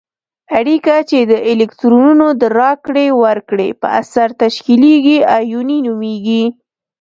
اړیکه چې د الکترونونو د راکړې ورکړې په اثر تشکیلیږي آیوني نومیږي.